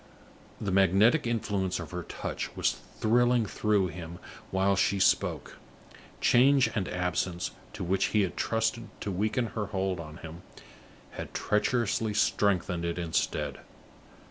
The magnetic influence of her touch was thrilling through him while she spoke. Change and absence, to which he had trusted to weaken her hold on him, had treacherously strengthened it instead.